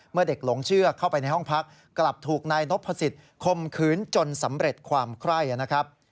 เมื่อเด็กหลงเชื่อเข้าไปในห้องพักกลับถูกนายนพสิทธิ์คมขืนจนสำเร็จความไคร่นะครับ